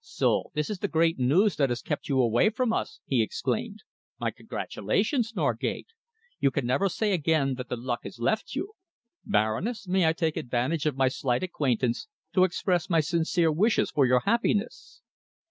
"So this is the great news that has kept you away from us!" he exclaimed. "My congratulations, Norgate. You can never say again that the luck has left you. Baroness, may I take advantage of my slight acquaintance to express my sincere wishes for your happiness?"